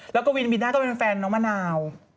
แล้วก็วินมีน่าก็เป็นแฟนน้องมะนาว